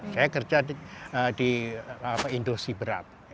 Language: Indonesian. saya kerja di industri berat